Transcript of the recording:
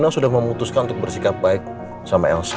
sudah memutuskan untuk bersikap baik sama elsa